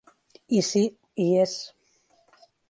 I sí, hi és.